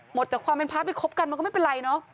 หมดจากความเป็นพระไปคบกันมันก็ไม่เป็นไรเนอะ